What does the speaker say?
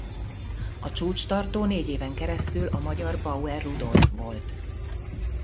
A csúcstartó négy éven keresztül a magyar Bauer Rudolf volt.